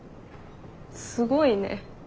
すごいね。